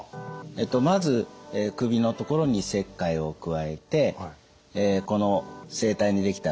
まず首の所に切開を加えてこの声帯にできたがんですね